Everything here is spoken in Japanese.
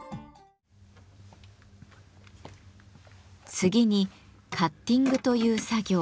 次に「カッティング」という作業。